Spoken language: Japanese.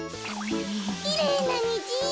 きれいなにじ。